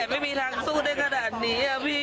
ไม่มีทางสู้ได้ขนาดนี้พี่